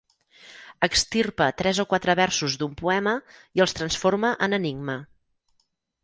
Extirpa tres o quatre versos d'un poema i els transforma en enigma.